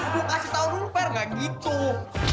gue kasih tau lu per gak gitu